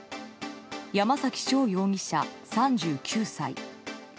山崎翔容疑者、３９歳。